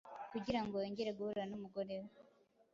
Kugira ngo yongere guhura n’umugore we,